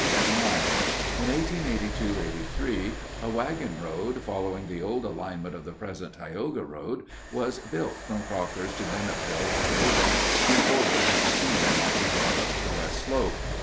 H. Nye. In 1882 83 a wagon road, following the old alignment of the present Tioga Road, was built from Crockers to Bennetville (Tioga) in order that machinery might be brought up the west slope.